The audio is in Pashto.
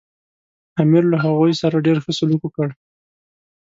امیر له هغوی سره ډېر ښه سلوک وکړ.